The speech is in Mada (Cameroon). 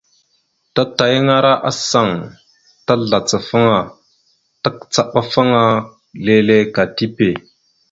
Tatayaŋara asaŋ tazlacafaŋa takəcaɗafaŋa leele ka tipe.